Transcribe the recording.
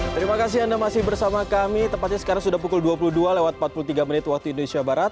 terima kasih anda masih bersama kami tepatnya sekarang sudah pukul dua puluh dua lewat empat puluh tiga menit waktu indonesia barat